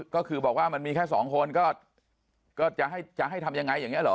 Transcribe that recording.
ก็คือบอกว่ามันมีแค่สองคนก็จะให้ทำยังไงอย่างนี้เหรอ